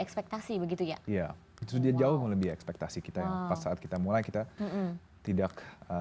ekspektasi begitu ya iya itu jauh melebihi ekspektasi kita saat kita mulai kita tidak